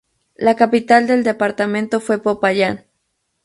La capital del departamento fue Popayán.